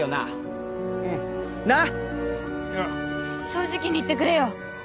正直に言ってくれよ。